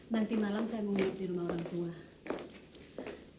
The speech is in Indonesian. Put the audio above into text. nanti malam saya mau tidur di rumah orang tua